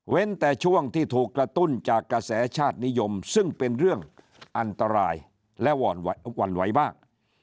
แต่ช่วงที่ถูกกระตุ้นจากกระแสชาตินิยมซึ่งเป็นเรื่องอันตรายและหวั่นไหวบ้าง